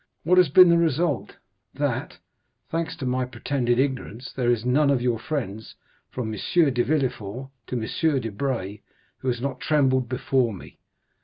What has been the result?—that, thanks to my pretended ignorance, there is none of your friends, from M. de Villefort to M. Debray, who has not trembled before me.